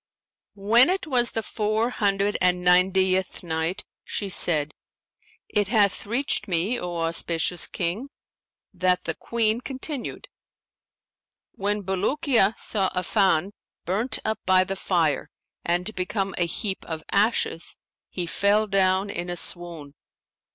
When it was the Four Hundred and Ninetieth Night, She said, It hath reached me, O auspicious King, that the Queen continued: "When Bulukiya saw Affan burnt up by the fire and become a heap of ashes, he fell down in a swoon.